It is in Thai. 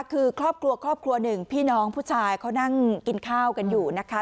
คือครอบครัวครอบครัวหนึ่งพี่น้องผู้ชายเขานั่งกินข้าวกันอยู่นะคะ